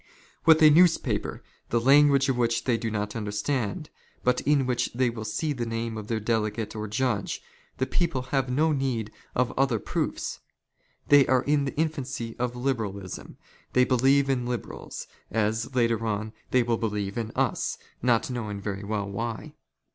With a newspaper, the language of which " they do not understand, but in which they will see the name of '' their delegate or judge, the people have no need of other proofs. " They are in the infancy of liberalism ; they believe in liberals, " as, later on, they will believe in us, not knowing very well why.